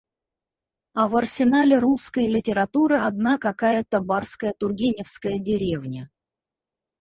А в арсенале русской литературы одна какая-то барская тургеневская деревня.